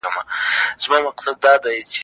هغوی وويل: هو.